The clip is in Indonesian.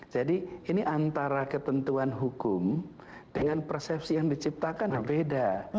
jadi ini antara ketentuan hukum dengan persepsi yang diciptakan berbeda